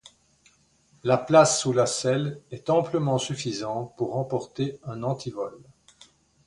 La place sous la selle est amplement suffisante pour emporter un antivol.